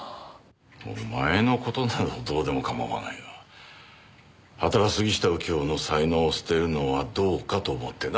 お前の事などどうでも構わないがあたら杉下右京の才能を捨てるのはどうかと思ってな。